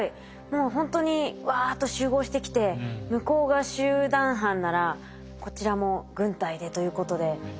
もうほんとにわっと集合してきて向こうが集団犯ならこちらも軍隊でということで。